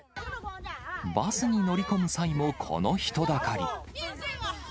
バスに乗り込む際も、この人だかり。